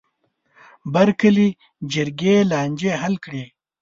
بر کلي جرګې لانجې حل کړې.